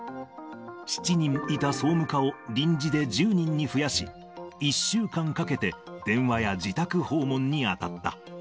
７人いた総務課を臨時で１０人に増やし、１週間かけて、電話や自宅訪問に当たった。